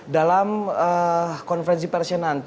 dalam konferensi persen nanti